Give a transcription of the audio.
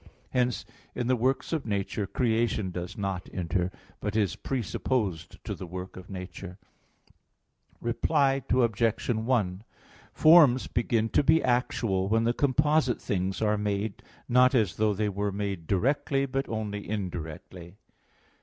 Hence in the works of nature creation does not enter, but is presupposed to the work of nature. Reply Obj. 1: Forms begin to be actual when the composite things are made, not as though they were made "directly," but only "indirectly."